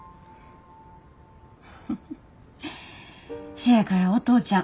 せやからお父ちゃん